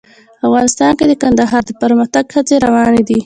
افغانستان کې د کندهار د پرمختګ هڅې روانې دي.